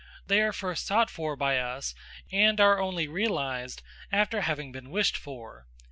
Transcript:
They are first sought for by us, and are only realised after having been wished for.